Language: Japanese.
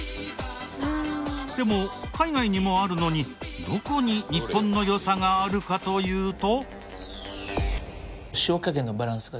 でも海外にもあるのにどこに日本の良さがあるかというと。